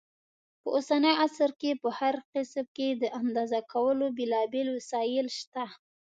په اوسني عصر کې په هر کسب کې د اندازه کولو بېلابېل وسایل شته.